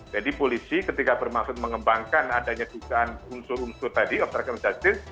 jadi polisi ketika bermaksud mengembangkan adanya tukaran unsur unsur tadi obstruction of justice